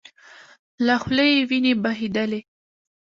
له خولې يې وينې بهيدلې.